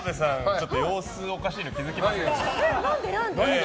ちょっと様子おかしいの気づきませんか？